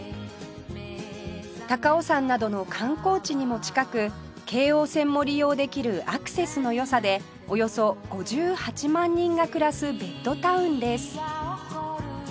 高尾山などの観光地にも近く京王線も利用できるアクセスの良さでおよそ５８万人が暮らすベッドタウンです